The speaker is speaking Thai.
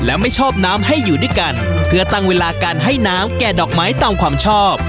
และไม่ชอบน้ำให้อยู่ด้วยกันเพื่อตั้งเวลาการให้น้ำแก่ดอกไม้ตามความชอบ